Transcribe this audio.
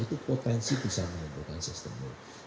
itu potensi bisa menimbulkan sistem